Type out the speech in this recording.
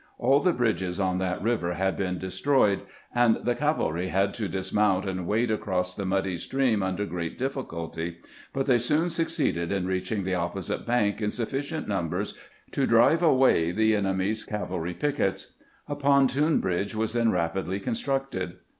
All the bridges on that river had been destroyed, and the cav alry had to dismount and wade across the muddy stream under great difficulty ; but they soon succeeded in reach ing the opposite bank in sufficient numbers to drive 194 THE START FOE THE JAMES 195 away the enemy's cavalry pickets. A pontoon bridge was then rapidly constructed.